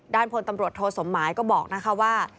ด้านพลตำรวจโทสมหมายก็บอกว่า